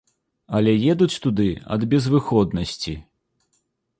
Але едуць туды ад безвыходнасці.